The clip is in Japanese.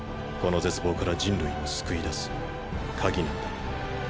この絶望から人類を救い出す「鍵」なんだ。